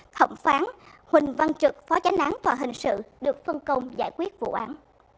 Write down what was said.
thẩm phán huỳnh văn trực phó tránh án tòa hình sự được phân công giải quyết vụ án